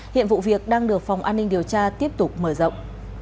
hiện vụ việc đang được phòng an ninh điều tra tiếp tục mở rộng